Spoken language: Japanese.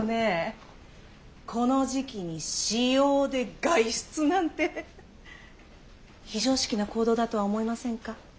この時期に私用で外出なんて非常識な行動だとは思いませんか？